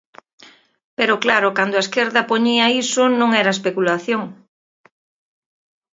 Pero, claro, cando a esquerda poñía iso non era especulación.